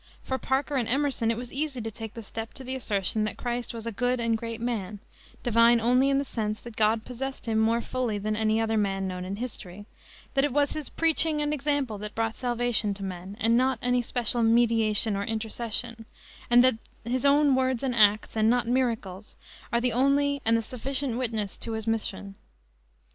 For Parker and Emerson it was easy to take the step to the assertion that Christ was a good and great man, divine only in the sense that God possessed him more fully than any other man known in history; that it was his preaching and example that brought salvation to men, and not any special mediation or intercession, and that his own words and acts, and not miracles, are the only and the sufficient witness to his mission.